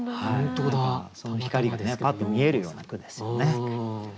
その光がパッと見えるような句ですよね。